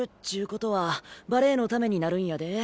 ことはバレエのためになるんやで。